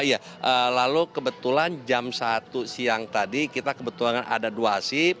iya lalu kebetulan jam satu siang tadi kita kebetulan ada dua asib